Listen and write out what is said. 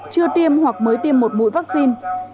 chưa tiêm hoặc mới tiêm một mũi vaccine